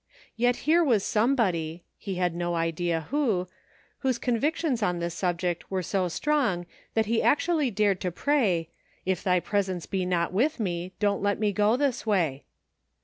Yet here was somebody — he had no idea who —• whose convictions on this subject were so strong that he actually dared to pray, " If Thy presence be not with me, don't let me go this way."